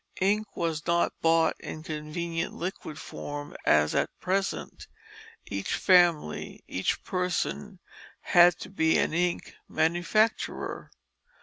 Ink was not bought in convenient liquid form as at present; each family, each person had to be an ink manufacturer.